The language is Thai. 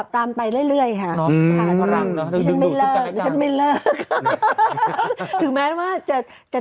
ตามไปเรื่อยค่ะ